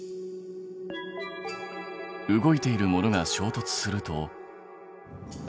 動いているものがしょうとつすると。